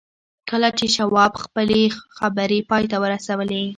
کله چې شواب خپلې خبرې پای ته ورسولې